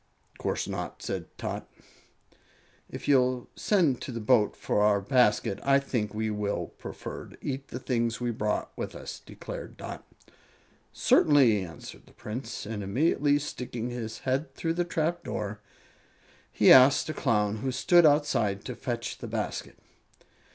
"Course not," said Tot. "If you'll send to the boat for our basket, I think we will prefer to eat the things we brought with us," declared Dot. "Certainly!" answered the Prince, and immediately sticking his head through the trapdoor, he asked a Clown who stood outside to fetch the basket.